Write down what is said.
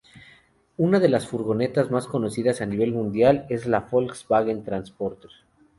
Una de las furgonetas más conocidas a nivel mundial es la Volkswagen Transporter.